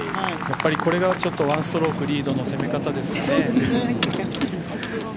これが１ストロークリードのそうですね。